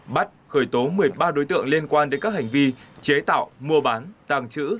bắt khởi tố một mươi ba đối tượng liên quan đến các hành vi chế tạo mua bán tàng trữ